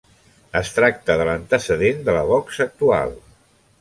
Es tracta de l'antecedent de la boxa actual.